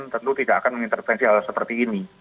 tentu tidak akan mengintervensi hal seperti ini